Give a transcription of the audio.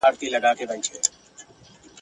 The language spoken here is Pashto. چا د آس اوږده لکۍ ور مچوله !.